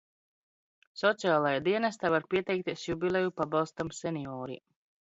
Sociālajā dienestā var pieteikties jubileju pabalstam senioriem.